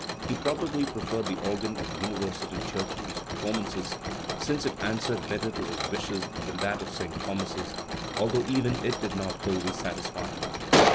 He probably pre ferred the organ of the University church for these per formances, since it answered better to his wishes than that of St. Thomas's, although even it did not wholly satisfy him.